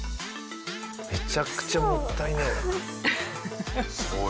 めちゃくちゃもったいねえな。